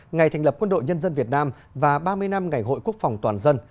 ngày thành lập quân đội nhân dân việt nam và ba mươi năm ngày hội quốc phòng toàn dân